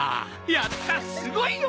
やったすごいよ！